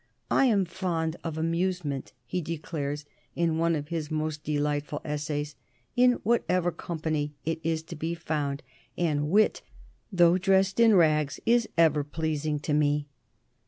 "I am fond of amusement," he declares in one of his most delightful essays, "in whatever company it is to be found, and wit, though dressed in rags, is ever pleasing to me."